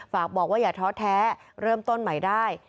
ฝากบอกว่าอย่าท้อแท้เริ่มต้นใหม่ได้